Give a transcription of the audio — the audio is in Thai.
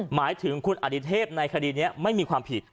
หมายถึงคุณอดิเทพในคดีนี้ไม่มีความผิด